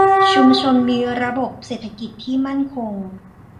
ชุมชนมีระบบเศรษฐกิจที่มั่นคง